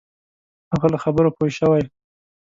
هغه له خبرو پوه شوی.